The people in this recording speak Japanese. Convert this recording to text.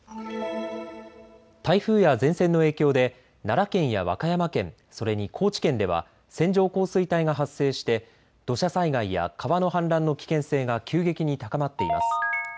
台風や前線の影響で奈良県や和歌山県、それに高知県では線状降水帯が発生して土砂災害や川の氾濫の危険性が急激に高まっています。